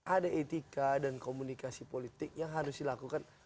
ada etika dan komunikasi politik yang harus dilakukan